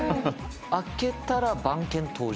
開けたら番犬登場。